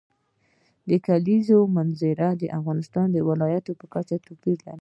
د کلیزو منظره د افغانستان د ولایاتو په کچه توپیر لري.